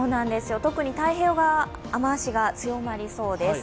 特に太平洋側、雨足が強まりそうです。